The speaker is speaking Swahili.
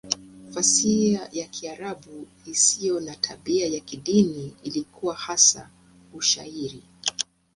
Fasihi ya Kiarabu isiyo na tabia ya kidini ilikuwa hasa Ushairi.